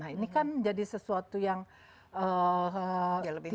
ini kan jadi sesuatu yang tidak baik